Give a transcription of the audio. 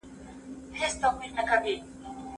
مؤمنان باید په خپلو عملونو کې ثابت پاتې شي.